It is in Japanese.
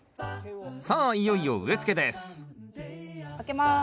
さあいよいよ植えつけです開けます。